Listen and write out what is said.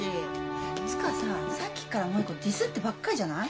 つうかささっきから萠子ディスってばっかりじゃない？